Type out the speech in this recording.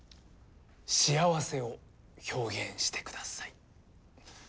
「幸せ」を表現してください。